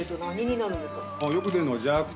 よく出るのは。